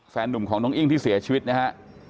หนุ่มของน้องอิ้งที่เสียชีวิตนะฮะ